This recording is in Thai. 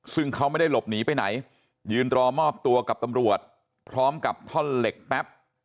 ซึ่งเขาไม่ได้หลบหนีไปไหนยืนรอมอบตัวกับตำรวจพร้อมกับท่อนเหล็กแป๊บ